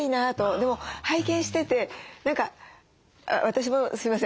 でも拝見してて何か私もすいません。